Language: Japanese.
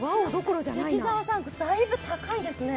関沢さん、だいぶ高いですね？